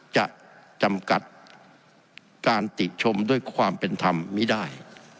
จะจำกัดการติชมด้วยความเป็นธรรมไม่ได้